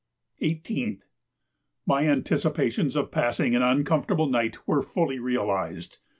18th. My anticipations of passing an uncomfortable night were fully realized.